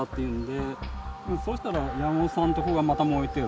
そうしたら山本さんの所がまた燃えている。